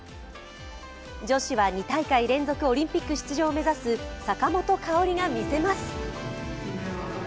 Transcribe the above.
女子は２大会連続オリンピック出場を目指す坂本花織が見せます。